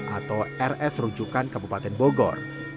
atau rs rujukan kabupaten bogor